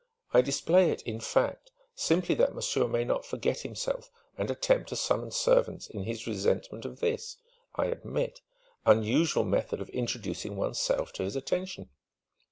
I display it, in fact, simply that monsieur may not forget himself and attempt to summon servants in his resentment of this (I admit) unusual method of introducing one's self to his attention.